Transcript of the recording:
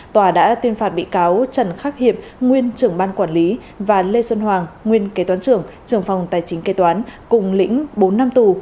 tòa đã tuyên phạt bị cáo trần khắc hiệp nguyên trưởng ban quản lý và lê xuân hoàng nguyên kế toán trưởng trưởng phòng tài chính kế toán cùng lĩnh bốn năm tù